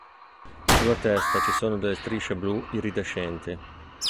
Sulla testa ci sono delle strisce blu iridescenti.